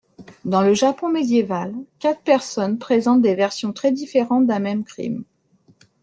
Dans le Japon médiéval, quatre personnes présentent des versions très différentes d'un même crime.